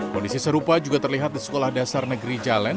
kondisi serupa juga terlihat di sekolah dasar negeri jalan